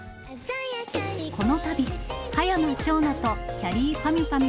このたび、葉山奨之ときゃりーぱみゅぱみ